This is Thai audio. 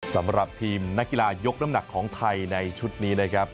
สำหรับทีมนักกีฬายกน้ำหนักของไทยในชุดนี้นะครับ